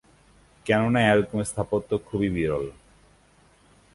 কেননা এরকম স্থাপত্য খুবই বিরল।